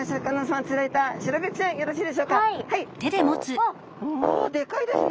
おでかいですね。